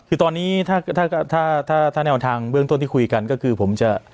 คือตอนนี้ถ้าถ้าแนวทางเบื้องต้นที่คุยกันก็คือผมจะ